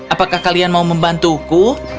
apakah kalian mau membantuku